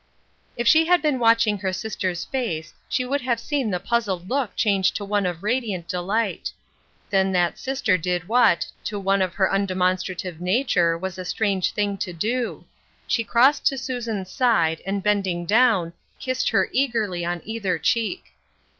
If she had been watching her sister*s face she would have seen the puzzled look change to one of radiant delight. Then that sister did what, to one of her undemonstrative nature, was a strange thing to do — she crossed to Susan's side, and bending down, kissed her eagerly on either cheek.